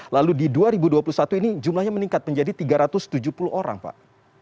lalu di dua ribu dua puluh satu ini jumlahnya meningkat menjadi tiga ratus tujuh puluh orang pak